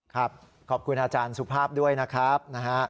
ครับขอบคุณอาจารย์สุภาพด้วยนะครับ